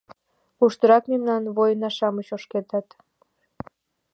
Куштырак мемнан воинна-шамыч ошкедат?